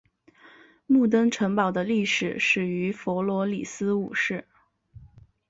木登城堡的历史始于弗罗里斯五世。